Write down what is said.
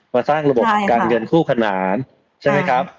มาสร้างระบบการเงินคู่ขนานใช่ไหมครับ